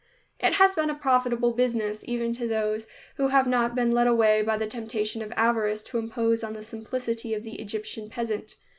It has been a profitable business, even to those who have not been led away by the temptation of avarice to impose on the simplicity of the Egyptian peasant.